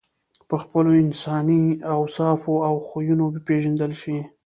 په خپلو انساني اوصافو او خویونو وپېژندل شې.